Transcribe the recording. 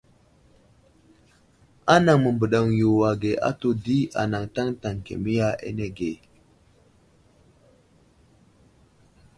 Anaŋ məbaɗeŋiyo age ahtu di anaŋ taŋtaŋ kemiya anege.